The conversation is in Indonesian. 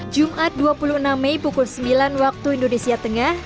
jumat dua puluh enam mei pukul sembilan waktu indonesia tengah